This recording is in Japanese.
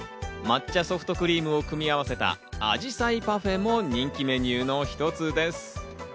抹茶ソフトクリームを組み合わせた紫陽花パフェも人気メニューの一つです。